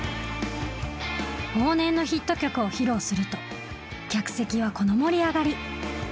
往年のヒット曲を披露すると客席はこの盛り上がり。